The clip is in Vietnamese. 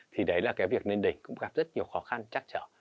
thì đấy là cái việc lên đỉnh cũng gặp rất nhiều khó khăn chắc chở